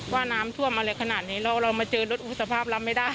ว่าน้ำท่วมอะไรขนาดนี้เรามาเจอรถสภาพรับไม่ได้